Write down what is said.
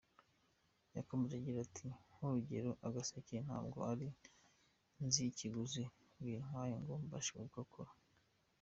Yakomeje agira ati “Nk’urugero Agaseke ntabwo nari nzi ikiguzi bintwara ngo mbashe kugakora.